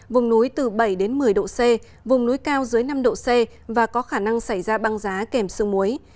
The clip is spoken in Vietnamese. vùng núi từ bảy đến một mươi độ c vùng núi cao dưới năm độ c và có khả năng xảy ra băng giá kèm sương muối